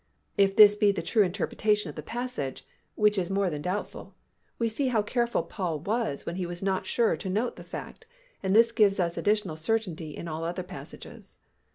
If this be the true interpretation of the passage (which is more than doubtful) we see how careful Paul was when he was not sure to note the fact and this gives us additional certainty in all other passages.